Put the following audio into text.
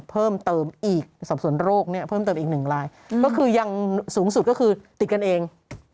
เพิ่มเติมอีกสอบส่วนโรคเนี่ยเพิ่มเติมอีกหนึ่งรายก็คือยังสูงสุดก็คือติดกันเอง